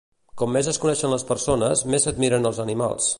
Com més es coneixen les persones, més s'admiren els animals.